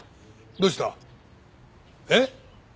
どうした？えっ！？